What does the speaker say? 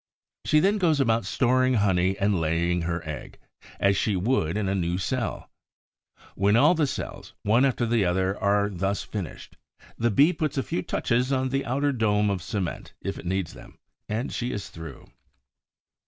She then goes about storing honey and laying her egg, as she would in a new cell. When all the cells, one after the other, are thus furnished, the Bee puts a few touches on the outer dome of cement, if it needs them; and she is through.